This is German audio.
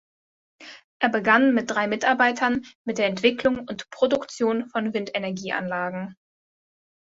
Er begann mit drei Mitarbeitern mit der Entwicklung und Produktion von Windenergieanlagen.